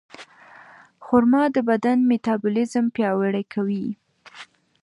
خرما د بدن میتابولیزم پیاوړی کوي.